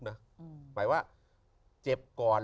หมายว่าเจ็บก่อน